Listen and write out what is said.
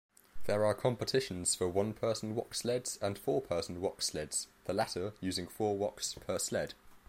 There are competitions for one-person-woksleds and four-person-woksleds, the latter using four woks per sled.